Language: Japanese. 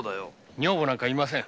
女房なんかいません！